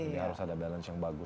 jadi harus ada balance yang bagus